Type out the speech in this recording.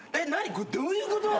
これどういうこと？